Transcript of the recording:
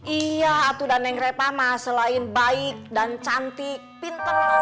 iya tuh dan yang reva mah selain baik dan cantik pintar